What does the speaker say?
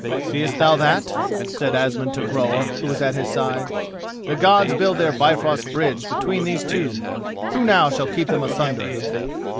"Seest thou that," said Asmund to Groa, who was at his side, "the Gods build their Bifrost bridge between these two. Who now shall keep them asunder?"